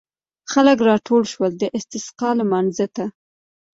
خلک راټول شول د استسقا لمانځه ته.